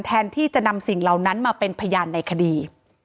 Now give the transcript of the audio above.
แทนที่จะนำสิ่งเหล่านั้นมาเป็นพยานในคดี